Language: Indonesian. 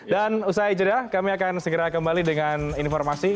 dan usai jeda kami akan segera kembali dengan informasi